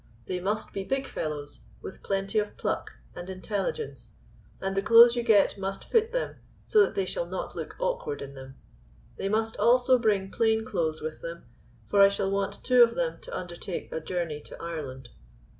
They must be big fellows with plenty of pluck and intelligence, and the clothes you get must fit them so that they shall not look awkward in them. They must also bring plain clothes with them, for I shall want two of them to undertake a journey to Ireland.